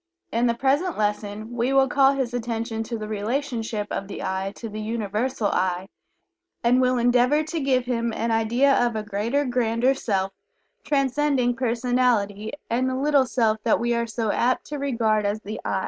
In the present lesson we will call his attention to the relationship of the "I" to the Universal "I," and will endeavor to give him an idea of a greater, grander Self, transcending personality and the little self that we are so apt to regard as the "I."